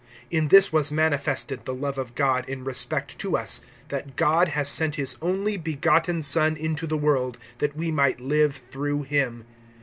(9)In this was manifested the love of God in respect to us, that God has sent his only begotten Son into the world, that we might live through him.